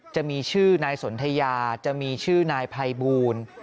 จะมีชื่อนายสนทยาจะมีชื่อนายภัยบูล